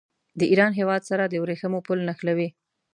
د ایران هېواد سره د ورېښمو پل نښلوي.